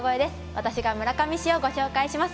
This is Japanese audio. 私が村上市をご紹介します。